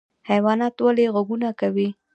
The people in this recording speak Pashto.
حیوانات ولې غږونه کوي؟